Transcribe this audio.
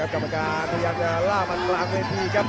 กรรมการพยายามจะล่ามันกลางเวทีครับ